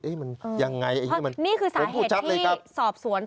เอ๊ะมันยังไงอย่างนี้มันผมพูดชัดเลยครับนี่คือสาเหตุที่